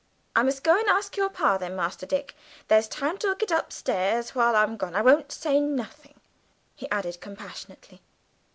"I must go and ask your Par, then, Master Dick; there's time to 'ook it upstairs while I'm gone. I won't say nothing," he added compassionately.